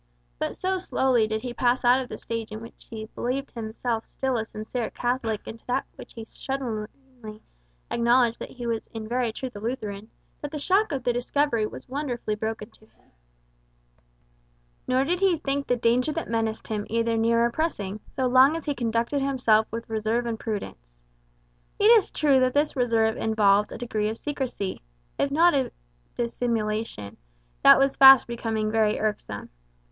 But so slowly did he pass out of the stage in which he believed himself still a sincere Catholic into that in which he shudderingly acknowledged that he was in very truth a Lutheran, that the shock of the discovery was wonderfully broken to him. Nor did he think the danger that menaced him either near or pressing, so long as he conducted himself with reserve and prudence. It is true that this reserve involved a degree of secrecy, if not of dissimulation, that was fast becoming very irksome.